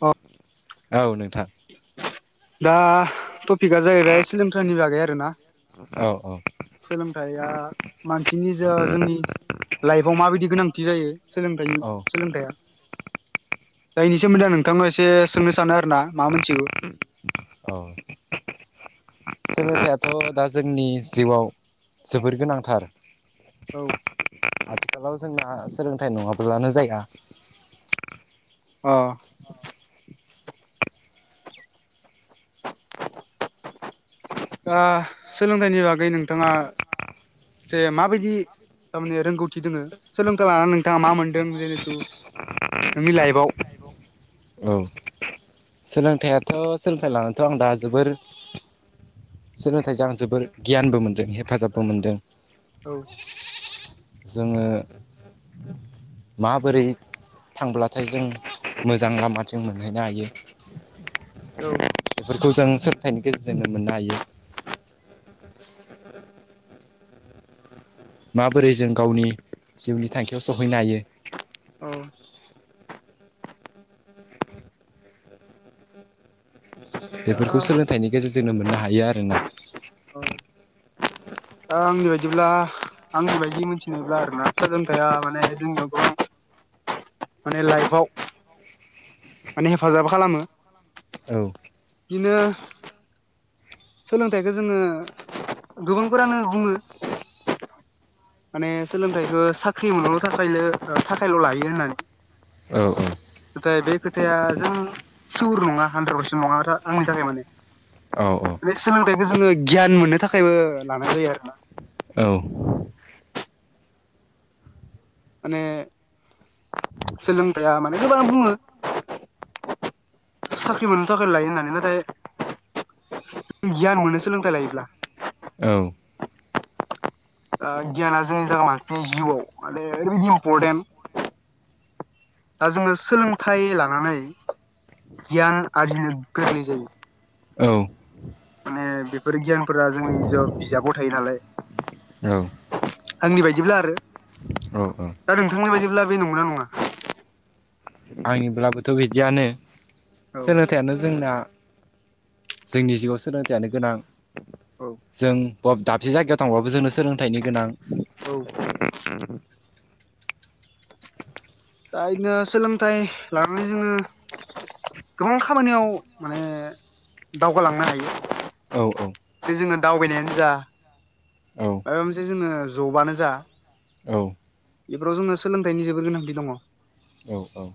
अ औ नोंथां। दा टपिकआ जाहैबाय सोलोंथाइनि बागै आरोना‌। औ औ सोलोंथाइया मानसिनि जा जोंनि लाइफआव माबायदि गोनांथि जायो सोलोंथाइनि औ सोलोंथाइया दा इनि सोमोन्दै आं नोंथांनाव एसे सोंनो सानो आरो ना मा मोनथिखौ। अ सोलोंथाइयाथ' दा जोंनि जिउआव जोबोर गोनांथार। औ। आथिखालाव जोंना सोलोंथाइ नङाब्लानो जाया। आ ओ सोलोंथाइनि बागै नोंथाङा जे माबायदि थारमाने रोंगौथि दोङो सोलोंथाइ लानानै नोंथाङा मा मोनदों जिहेथु नोंनि लाइफआव औ। सोलोंथाइयाथ' सोलोंथाइ लानानैथ' आं दा जोबोर सोलोंथाइजों आं जोबोर गियानबो मोनदों हेफाजाबबो मोनदों। औ जोङो [inaudible] माबोरै थांब्लाथाय जों मोजां लामाथिं मोनहैनो हायो औ बेफोरखौ जों सोंथाइनि गेजेरजोंनो मोननो हायो। माबोरै जों गावनि जिउनि थांखियाव सहैनो हायो। औ दा बेफोरखौ सोलोंथाइनि गेजेरजोंनो मोननो हायो आरो ना। ओ आंनि बायदिब्ला आंनि बायदि मोनथिनोब्ला आरोना सोलोंथाया माने जोंनियाव गोबां माने लाइफआव माने हेफाजाब खालामो औ बिदिनो सोलोंथाइखौ जोङो गोबांफोरानो बुङो माने सोलोंथाइखौ साख्रि मोनल' थाखायलो थाखायल' लायो होननानै औ औ नाथाय बे खोथाया जों सोर नङा हान्द्रेद पारसेन्ट नङा आंनि थाखाय माने औ औ बे सोलोंथाइखौ जोङो गियान मोननो थाखायबो लानाय जायो आरोना। औ माने सोलोंथाया माने गोबांआ बुङो साख्रि मोननो थाखाय लायो होननानै नाथाय गियान मोननो सोलोंथाय लायोब्ला। औ ओ गियाना जोंनि [unintelligible] मानसिनि जिउआव माने ओरैबायाददि इम्परटेन्ट दा जोङो सोलोंथाइ लानानै गियान आरजिनो गोरलै जायो। औ माने बेफोर गियानफोरा जोंनि ज बिजाबाव थायो नालाय। औ आंनि बायदिब्ला आरो, औ दा नोंथांनि बायदिब्ला बे नंगौना नङा? आंनिब्लाबोथ' बिदियानो औ सोलो थायानो जोंना जोंनि जिउआव सोलोंथाइयानो गोनां औ जों ब- दाबसे जायगायाव थांबाबो जोंनो सोलोंथाइनि गोनां। औ दा इदिनो सोलोंथाइ लानानै जोङो गोबां खामानियाव माने दावगालांनो औ औ हायो। बे जोङो दावबायनायानो जा औ माबा मोनसे जोङो जबानो जा। औ इफोराव जोंनो सोलोंथाइनि जोबोर गोनांथि दङ। औ औ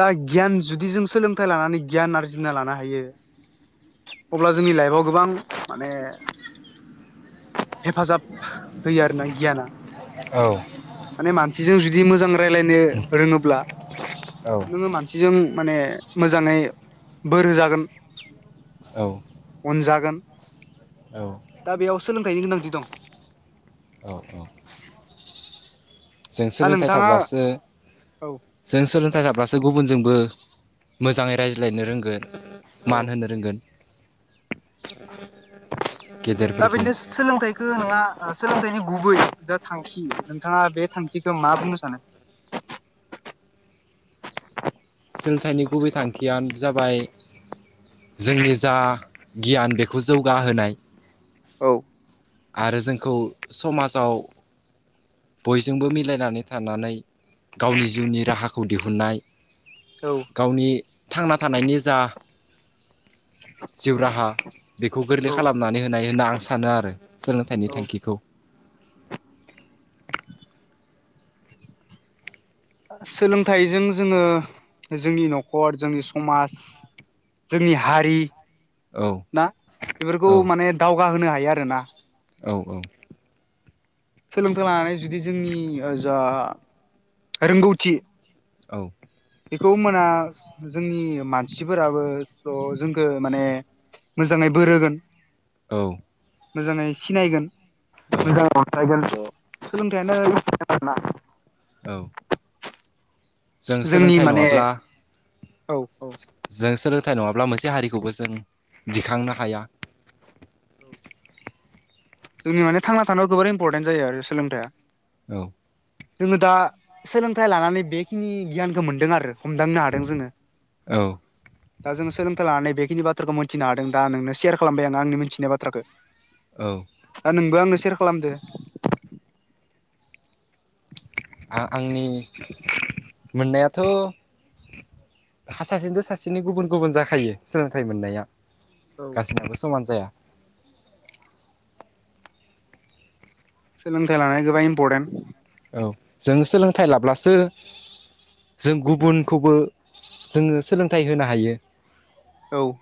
दा गियान जुदि जों सोलोंथाइ लानानै गियान आरजिना लानो हायो अब्ला जोंनि लाइफआव गोबां माने हेफाजाब होयो आरोना गियाना। औ माने मानसिजों जुदि मोजां रायजलायनो रोङोब्ला औ नोङो मानसिजों माने मोजाङै बोर होजागोन। औ अनजागोन। दा बेयाव सोलोंथाइनि गोनांथि दं। औ औ जों दा सोलोंथाइ नोंथाङा थाब्लासो औ जों सोलोंथाइ गाब्लासो गुबुनजोंबो मोजाङै रायज्लायनो रोंगोन। औ मान होनो रोंगोन। गेदेर दा बिसनेस सोलोंथाइखौ नंङा ओ सोलोंथाइनि गुबै जा थांखि नोंथांङा बे थांखिखौ मा बुंनो सानो? सोलोंथाइनि गुबै थांखियानो जाबाय जोंनि जा गियान बेखौ जौगाहोनाय। औ। आरो जोंखौ समाजाव बयजोंबो मिलायनानै थानानै गावनि जिउनि राहाखौ दिहुननाय औ। गावनि थांना थानायनि जा जिउ राहा बेखौ गोरलै औ खालामनानै होनाय होनना आं सानो आरो सोलोंथाइनि औ थांखिखौ। सोलोंथाइजों जोंङो जोंनि न'खर जोंनि समाज जोंनि हारि ना बेफोरखौ औ माने दावगाहोनो हायो आरोना। औ औ। सोलोंथाइ लानानै जुदि जोंनि जा रोंगौथि औ। बेखौ मोना जोंनि मानसिफोराबो ज' जोंखौ माने मोजांङै बोर होगोन औ मोजांङै सिनायगोन। औ [unintelligible] सोलोंथायानो [unintelligible] औ जों जोंनि सोलोंथाइ माने नंङाब्ला औ औ जों सोलोंथाइ नंङाब्ला मोनसे हारिखौबो जों दिखांनो हाया। जों माने थांना थानायाव जोबोर इम्परटेन्ट जायो आरो सोलोंथाइया औ जोंङो दा सोलोंथाइ लानानै बेखिनि गियानखौ मोनदों आरो हमदांनो हादों जोंङो। औ दा जोंङो सोलोंथाइ लानानै बेखिनि बाथ्राखौ मिन्थिनो हादों दा नोंनो सेयार खालामबाय आं आंनि मिथिनाय बाथ्राखौ। औ दा नोंबो आंनो सेयार खालामदो। आ आंनि मोननायाथ' हासासेनिथ' सासेनि गुबुन गुबुन जाखायो सोलोंथाइ मोननाया औ गासिनाबो समान जाया। सोलोंथाइ लानाया गोबां इम्परटेन्ट औ जों सोलोंथाइ लाब्लासो जों गुबुनखौबो जोंङो सोलोंथाइ होनो हायो। औ।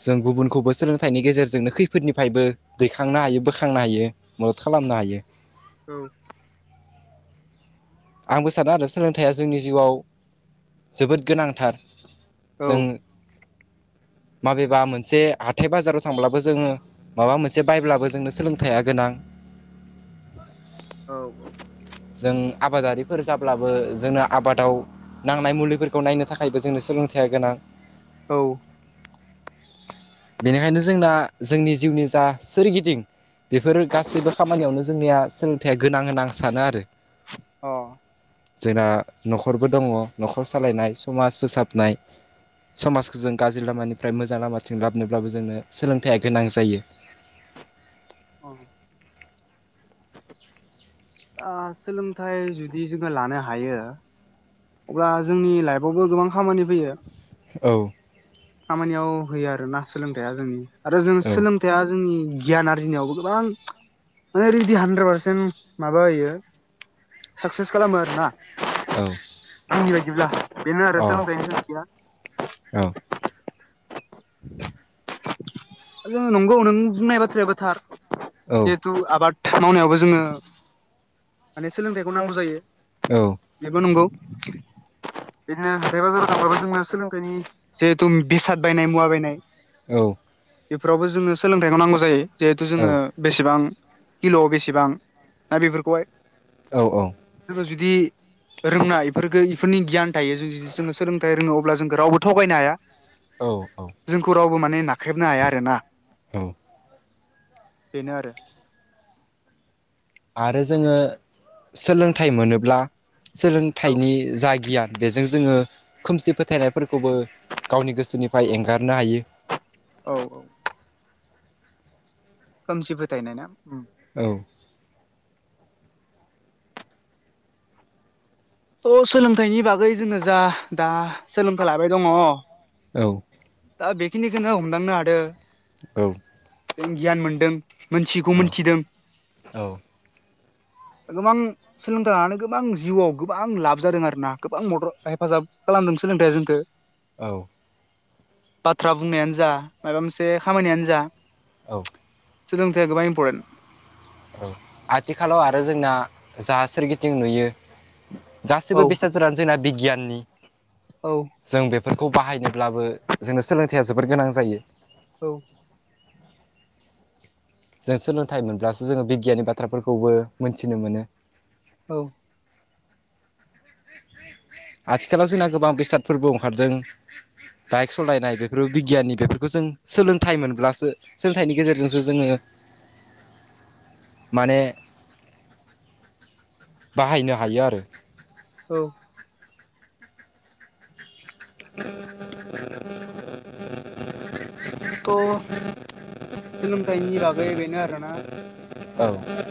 जों गुबुनखौबो सोलोंथाइनि गेजेरजोंनो खैफोदनिफ्रायबो दैखांनो हायो बोखांनो हायो। मदद खालामनो हायो। औ। आंबो सानदों आरो सोलोंथाइया जोंनि जिउआव जोबोद गोनांथार। औ जों [inaudible] माबेबा मोनसे हाथाय बाजाराव थांब्लाबो जोङो माबा मोनसे बायब्लाबो जोंनो सोलोंथाइया गोनां। जों आबादारिफोर जाब्लाबो जोंना आबादाव नांनाय मुलिफोरखौ नायनो थाखायबो जोंनो सोलोंथाइया गोनां। औ। बेनिखायनो जोंना जोंनि जिउनि जा सोरगिदिं बेफोर गासैबो खामानियावनो जोंनिया सोलोंथाइया गोनां आं सानो आरो। अ। जोंना न'खरबो दङ न'खर सालायनाय समाज फोसाबनाय। समाजखौ जों गाज्रि लामानिफ्राय मोजां लामाथिं लाबोनोब्लाबो जोंनो सोलोंथाया गोनां जायो। औ ओ सोलोंथाइ जुदि जोङो लानो हायो अब्ला जोंनि लाइफआवबो गोबां खामानि फैयो औ खामानियाव होयो आरोना सोलोंथाया जोंनि आरो जों औ सोलों थाया जोंनि गियान आरजिनायावबो गोबां माने रिडि हानद्रेद पारसेन्ट माबा होयो साकस्सि खालामो आरोना। औ समनि बायदिब्ला बेनो आरो सोलोंथाइनि गोनांन्थिया औ [inaudible] जोङो नंगौ नों बुंनाय बाथ्रायाबो थार औ हु आबाद मावनायावबो जोङो माने सोलोंथाइखौ नांगौ जायो। औ बेबो नंगौ बिदिनो हाथाइ बाजाराव थांबाबो जोंना सोलोंथाइनि जिहेथु बेसाद बायनाय मुवा बायनाय औ बेफोरावबो जोंनो सोलोंथाइखौ नांगौ जायो जिहेथु जोङो बेसेबां किल'आव बेसेबां दा बेफोरखौहाय औ औ जोङो जुदि रोंनाय बेफोरखौ इफोरनि गियान थायो जों जुदि जोङो सोलोंथाइ रोङो अब्ला जोंखौ रावबो थगायनो हाया। औ औ जोंखौ रावबो माने नाख्रेबनो हाया आरोना औ बेनो आरो आरो जोङो सोलोंथाइ मोनोब्ला औ सोलोंथाइनि जा गियान बेजों जोङो खोमसि फोथायनायफोरखौबो गावनि गोसोनिफ्राय एंगारनो हायो। औ औ खोमसि फोथायनाय ना उम औ अह सोलोंथाइनि बागै जोङो जा दा सोलोंथाइ लाबाय दङ औ दा बेखिनिखौनो हमदांनो हादों औ जों गियान मोनदों मोनथियैखौ मोनथिदों। औ गोबां सोलोंथाइ लानानै गोबां जिउआव गोबां लाब जादों आरोना गोबां मदद हेफाजाब खालामदों सोलोंथाया जोंखौ औ बाथ्रा बुंनायानो जा माबा मोनसे खामानियानो जा औ सोलोंथाइ आ गोबां इमपरटेन। औ आथिखालाव आरो जोंना जा सोरगिदिं नुयो औ गासिबो बेसाद फोरानो जोंना बिगियाननि औ। जों बेफोरखौ बाहायनोब्लाबो जोंनो सोलोंथाइया जोबोर गोनां जायो। औ। जों सोलोंथाइ मोनब्लासो जोङो बिगियाननि बाथ्राफोरखौबो मोनथिनो मोनो। औ। आथिखालाव जोंना गोबां बेसादफोरबो अखारदों। बाइक सलायनाय बेफोर बिगियाननि बेफोरखो जों सोलोंथाइ मोनब्लासो सोलोंथाइनि गेजेरजोंसो जोङो माने बाहायनो हायो आरो। औ। [unintelligible] थ' सोलोंथाइनि बागै बेनो आरोना। औ।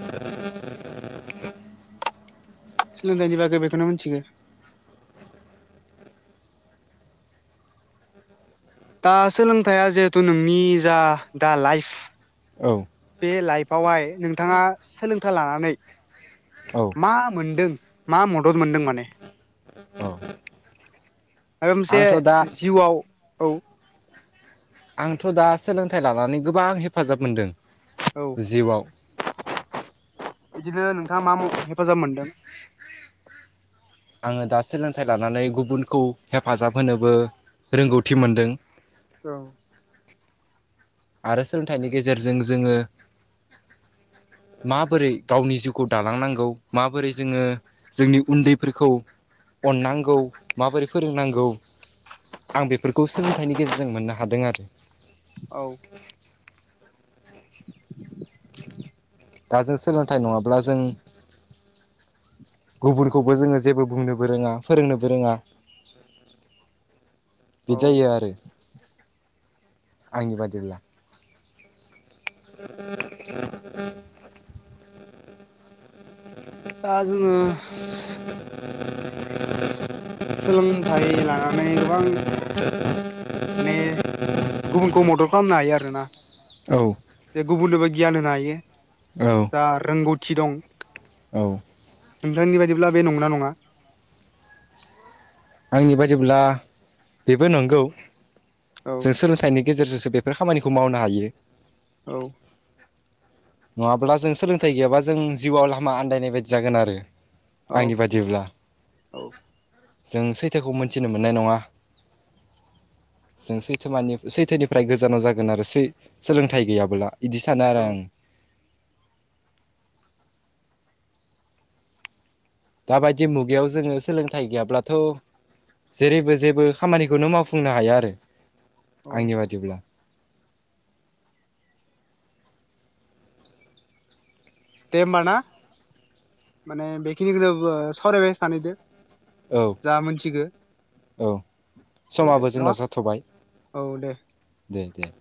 सोलोंथाइनि बागै बेखोनो मोन्थिगोन। दा सोलोंथाइया जिहेथु नोंनि जा दा लाइफ औ बे लाइफआवहाय नोंथाङा सोलोंथाइ लानानै औ मा मोनदों मा मदद मोनदों माने? औ। मायबा मोनसे आंथ' दा जिउआव औ। आंथ' दा सोलोंथाइ लानानै गोबां हेफाजाब मोनदों। औ जिउआव बिदिनो नोंथां मा हेफाजाब मोनदों। आङो दा सोलोंथाइ लानानै गुबुनखौ हेफाजाब होनोबो रोंगौथि मोनदों। औ। आरो सोलोंथाइनि गेजेरजों जोङो माबोरै गावनि जिउखौ दालांनांगौ माबोरै जोङो जोंनि उन्दैफोरखौ अननांगौ माबोरै फोरोंनांगौ आं बेफोरखौ सोलोंथाइनि गेजेरजों मोननो हादों आरो। औ। [unintelligible] दा जों सोलोंथाइ नङाब्ला जों गुबुरखौबो जोङो जेबो बुंनोबो रोङा फोरोंनोबो रोङा। बिदि औ जायो आरो आंनि बादिब्ला। [inaudible] दा जोङो [inaudible] सोलोंथाइ लानानै गोबां माने गुबुनखौ मदद खालामनो हायो आरो। ना औ जे गुबुननोबो गियान होनो हायो औ दा रोंगौथि दं औ नोंथांनि बायदिब्ला बे नंगौना नङा? आंनि बायदिब्ला बेबो नंगौ औ जों सोलोंथाइनि गेजेरजोंसो बेफोर खामानिखौ मावनो हायो। औ। नङाब्ला जों सोलोंथाइ गैयाबा जों जिउआव लामा आन्दायनाय बायदि जागोन आरो आंनि अके बादिब्ला। औ जों सैथोखौ मोनथिनो मोननाय नङा। जों सैथो मानि सैथोनिफ्राय गोजानाव जागोन आरोै सोलोंथाइ गैयाबोला बिदि सानो आरो औ आं दाबायदि मुगायाव जोंङो सोलोंथाइ गैयाब्लाथ' जेरैबो जेबो खामानिखौनो मावफुंनो हाया आरो औ आंनि बादिब्ला दे होमब ना माने बेखिनिखौनो सावरायबाय सानैदो। औ जा मोनथिगो औ औ दे समाबो न' जोंना जाथ'बाय औ दे दे दे